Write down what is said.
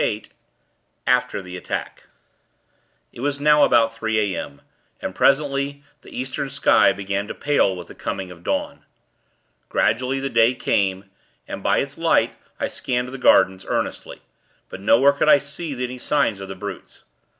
VIII AFTER THE ATTACK It was now about three a.m., and, presently, the Eastern sky began to pale with the coming of dawn. Gradually, the day came, and, by its light, I scanned the gardens, earnestly; but nowhere could I see any signs of the brutes.